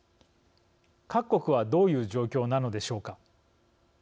各国はどういう状況なのでしょうか。